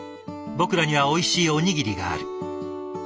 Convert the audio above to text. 僕らにはおいしいおにぎりがある。